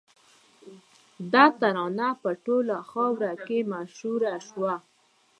دا ترانه په ټوله خاوره کې مشهوره شوه